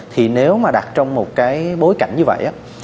thì nếu mà đặt trong một cái bối cảnh như vậy